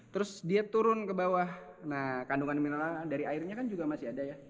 terus dia turun ke bawah nah kandungan mineral dari airnya kan juga masih ada ya